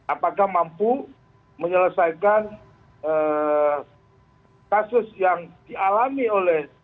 apakah mampu menyelesaikan kasus yang dialami oleh